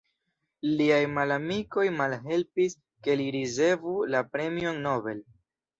Liaj malamikoj malhelpis ke li ricevu la premion Nobel.